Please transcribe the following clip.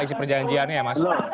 isi perjanjiannya ya mas